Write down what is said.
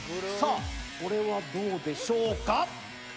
これはどうでしょうか？